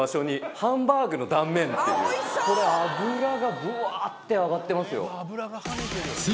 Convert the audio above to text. これ脂がブワって上がってますよ。